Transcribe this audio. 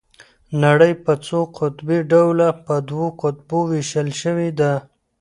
نړۍ په څو قطبي ډول په دوو قطبونو ويشل شوې ده.